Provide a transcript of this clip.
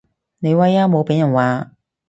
你威啊無被人話